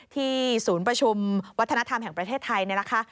ศูนย์ประชุมวัฒนธรรมแห่งประเทศไทยเนี่ยนะคะ